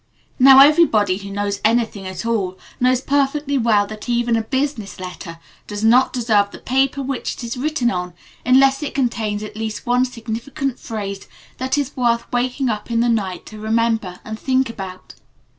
Now everybody who knows anything at all knows perfectly well that even a business letter does not deserve the paper which it is written on unless it contains at least one significant phrase that is worth waking up in the night to remember and think about.